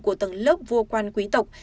của tầng lớp vua quan quý tộc